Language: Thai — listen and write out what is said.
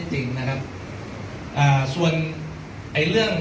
ตรงกลับรับแจ้งเหตุเวลาสี่ทุ่มครึ่ง